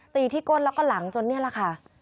ตีที่ก้นแล้วก็หลังจนนี่แหละค่ะ